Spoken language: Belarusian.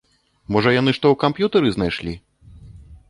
Можа яны што ў камп'ютары знайшлі?